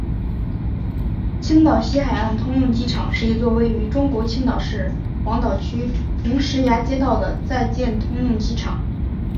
青岛西海岸通用机场是一座位于中国青岛市黄岛区红石崖街道的在建通用机场。